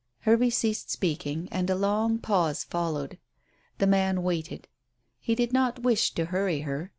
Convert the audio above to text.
Hervey ceased speaking, and a long pause followed. The man waited. He did not wish to hurry her.